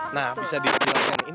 nah bisa dibilangkan